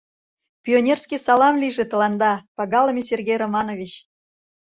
Пионерский салам лийже тыланда, пагалыме Сергей Романович!